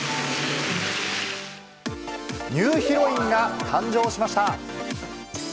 ニューヒロインが誕生しました。